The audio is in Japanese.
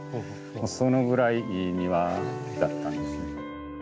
そのぐらいいい庭だったんですね。